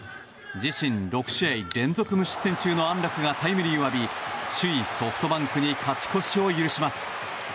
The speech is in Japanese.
自身６試合連続無失点中の安樂がタイムリーを浴び首位ソフトバンクに勝ち越しを許します。